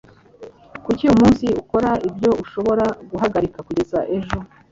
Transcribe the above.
Kuki uyu munsi ukora ibyo ushobora guhagarika kugeza ejo?